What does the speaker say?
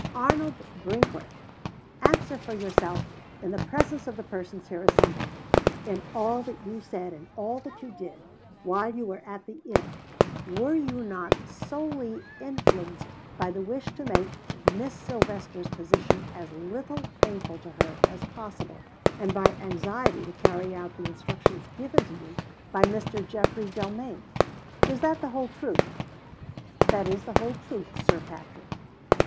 "Arnold Brinkworth! answer for yourself, in the presence of the persons here assembled. In all that you said, and all that you did, while you were at the inn, were you not solely influenced by the wish to make Miss Silvester's position as little painful to her as possible, and by anxiety to carry out the instructions given to you by Mr. Geoffrey Delamayn? Is that the whole truth?" "That is the whole truth, Sir Patrick."